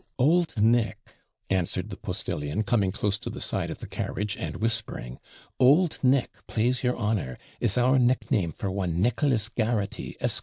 'Old Nick,' answered the postillion, coming close to the side of the carriage, and whispering 'Old Nick, plase your honour, is our nickname for one Nicholas Garraghty, Esq.